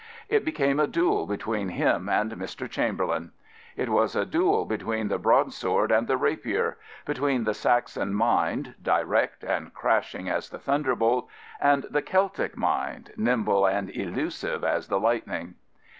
It became a duel between him and Mr. Chamberlain. Prophets, Priests, and Kings It was a duel between the broad sword and the rapier — ^between the Saxon mind, direct and crashing as the thunderbolt; and the Celtic mind, nimble and e^sive as the lightning.